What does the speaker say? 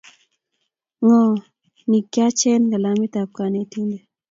ngo ni kachen kalamitab konetinte